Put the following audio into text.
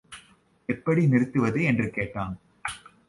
எப்படி நிறுத்துவது என்று கேட்டான்.